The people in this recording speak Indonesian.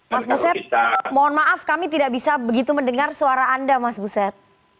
mas buset mohon maaf kami tidak bisa begitu mendengar suara anda mas buset